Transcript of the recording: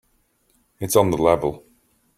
It's on the level.